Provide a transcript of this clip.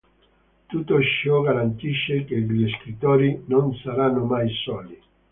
Tutto ciò garantisce che gli scrittori non saranno mai soli.